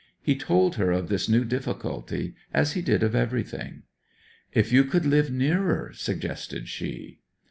He told her of this new difficulty, as he did of everything. 'If you could live nearer,' suggested she.